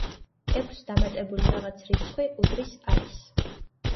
ექვსს დამატებული რაღაც რიცხვი უდრის ათს.